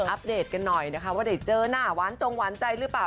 เดตกันหน่อยนะคะว่าได้เจอหน้าหวานจงหวานใจหรือเปล่า